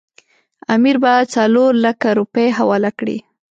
امیر به څلورلکه روپۍ حواله کړي.